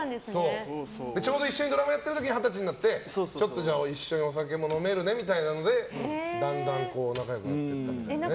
ちょうど一緒にドラマやってる時に二十歳になって一緒にお酒も飲めるねみたいなことでだんだん仲良くなってった。